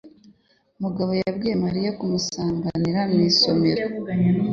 Mugabo yabwiye Mariya kumusanganira mu isomero.